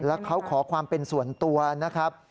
แล้วเขาขอความเป็นส่วนตัวนะครับ